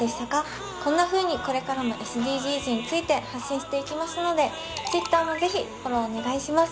こんなふうにこれからもＳＤＧｓについて発信していきますのでＴｗｉｔｔｅｒもぜひフォローお願いします。